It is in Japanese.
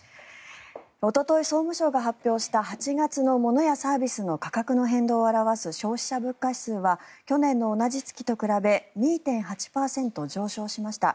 おととい総務省が発表した８月のものやサービスの価格の変動を表す消費者物価指数は去年の同じ月と比べ２．８％上昇しました。